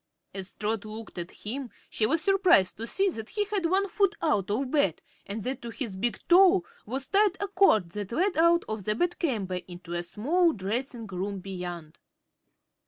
As Trot looked at him she was surprised to see that he had one foot out of bed and that to his big toe was tied a cord that led out of the bedchamber into a small dressing room beyond.